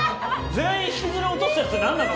全員引きずり落とすやつ何なの？